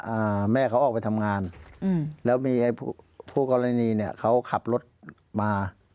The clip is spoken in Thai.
อ่าแม่เขาออกไปทำงานอืมแล้วมีไอ้ผู้กรณีเนี้ยเขาขับรถมา